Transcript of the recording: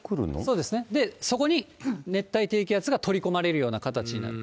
そうですね、そこに熱帯低気圧が取り込まれるような形になる。